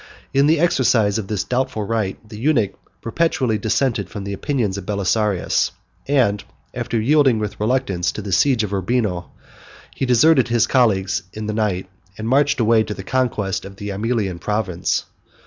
In the exercise of this doubtful right, the eunuch perpetually dissented from the opinions of Belisarius; and, after yielding with reluctance to the siege of Urbino, he deserted his colleague in the night, and marched away to the conquest of the Aemilian province.